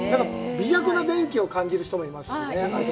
微弱な電気を感じる人もいますしね。